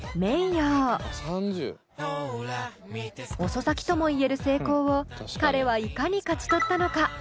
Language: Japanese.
遅咲きとも言える成功を彼はいかに勝ち取ったのか？